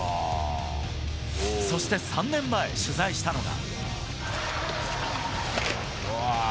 そして３年前、取材したのが。